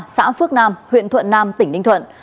xã phước nam huyện thuận nam tỉnh ninh thuận